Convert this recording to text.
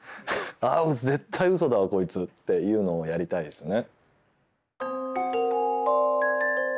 あ絶対嘘だわこいつっていうのをやりたいですよね。